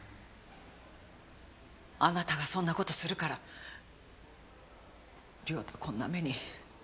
あなたがそんな事するから良太こんな目に。